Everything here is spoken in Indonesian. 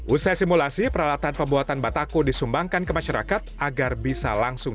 usai simulasi peralatan pembuatan bataku disumbangkan ke masyarakat agar bisa langsung